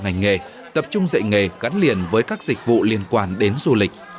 ngành nghề tập trung dạy nghề gắn liền với các dịch vụ liên quan đến du lịch